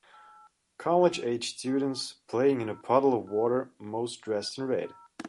college aged students playing in a puddle of water, most dressed in red.